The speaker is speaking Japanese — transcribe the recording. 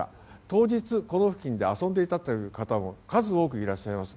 当日、この付近で遊んでいたという方も数多くいらっしゃいます。